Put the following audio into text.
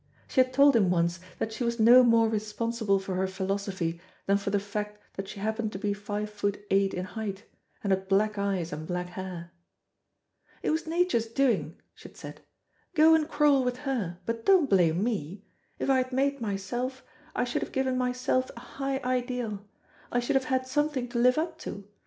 She had told him once that she was no more responsible for her philosophy than for the fact that she happened to be five foot eight in height, and had black eyes and black hair. "It was Nature's doing," she had said; "go and quarrel with her, but don't blame me. If I had made myself, I should have given myself a high ideal; I should have had something to live up to.